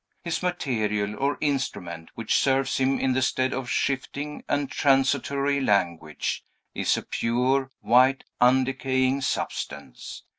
His material, or instrument, which serves him in the stead of shifting and transitory language, is a pure, white, undecaying substance.